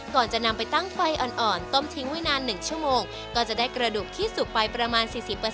ก่อนจะนำไปตั้งไฟอ่อนต้มทิ้งไว้นาน๑ชั่วโมงก็จะได้กระดูกที่สุกไปประมาณ๔๐